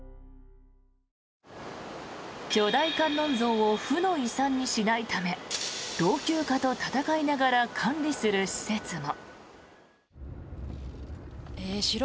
巨大観音像を負の遺産にしないため老朽化と闘いながら管理する施設も。